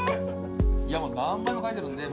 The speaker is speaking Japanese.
いやもう何枚も書いているんで。